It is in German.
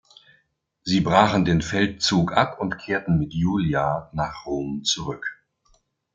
Sie brachen den Feldzug ab und kehrten mit Julia nach Rom zurück.